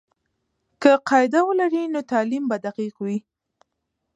که قاعده ولري، نو تعلیم به دقیق وي.